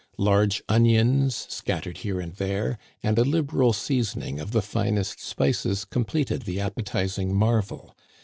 Large onions scattered here and there and a liberal seasoning of the finest spices completed the appetizing marvel.